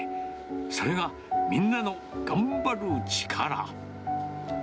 それがみんなの頑張る力。